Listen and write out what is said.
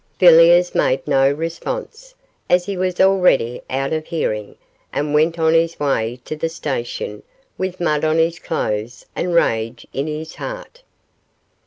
Villiers made no response, as he was already out of hearing, and went on his way to the station with mud on his clothes and rage in his heart.